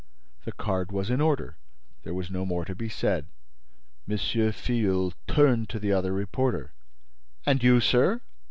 The card was in order. There was no more to be said. M. Filleul turned to the other reporter: "And you, sir?"